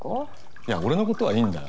いや俺の事はいいんだよ。